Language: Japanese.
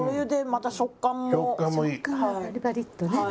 食感がパリパリッとね。